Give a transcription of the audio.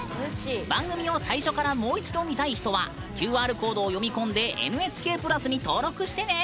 番組を最初からもう一度見たい人はＱＲコードを読み込んでＮＨＫプラスに登録してね。